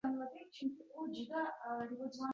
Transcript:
Qorning ochib ketdi-ku!